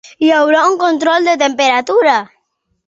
Hi haurà un control de temperatura.